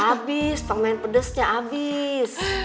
abis permen pedesnya abis